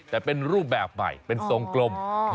แต่เป็นรูปแบบใหม่เป็นทรงกลม